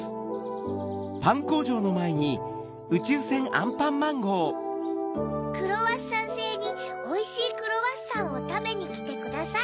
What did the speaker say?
あなたも「クロワッサンせいにおいしいクロワッサンをたべにきてください。